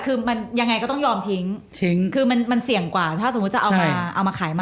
คือยังไงก็ต้องยอมทิ้งมันเสี่ยงกว่าถ้าจะเอามาขายมาก